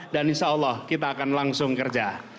dan insya allah kita akan langsung kerja